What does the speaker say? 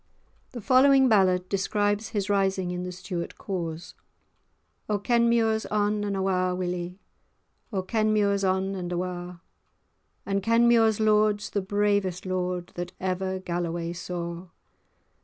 The following ballad describes his rising in the Stuart cause— "O Kenmure's on and awa', Willie, O Kenmure's on and awa'; And Kenmure's lord's the bravest lord That ever Galloway saw.